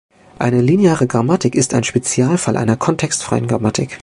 Eine lineare Grammatik ist ein Spezialfall einer kontextfreien Grammatik.